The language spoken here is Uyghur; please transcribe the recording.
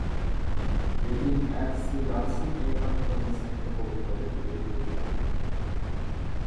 لېكىن، ئەتىسى يارىسىنىڭ ئېغىرلىقىدىن سەكتە بولۇپ قېلىپ ئۆلۈپ كېتىدۇ.